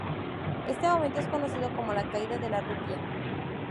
Este momento es conocido como "la caída de la rupia".